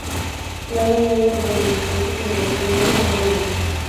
La edad media de los militantes evolucionó notablemente.